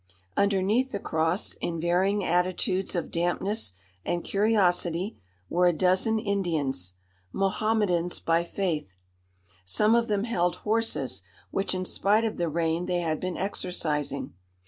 Underneath the cross, in varying attitudes of dampness and curiosity, were a dozen Indians, Mohammedans by faith. Some of them held horses which, in spite of the rain, they had been exercising.